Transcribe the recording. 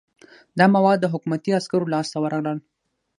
دا مواد د حکومتي عسکرو لاس ته ورغلل.